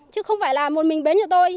chứ không phải là một mình bến như tôi